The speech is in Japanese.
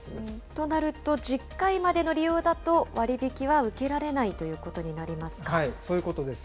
となると、１０回までの利用だと、割引は受けられないというそういうことです。